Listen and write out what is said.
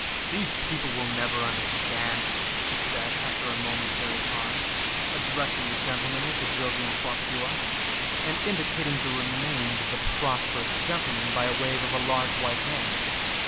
"These people will never understand," he said, after a momentary pause, addressing the gentleman with the Jovian coiffure, and indicating the remains of the prosperous gentleman by a wave of a large white hand.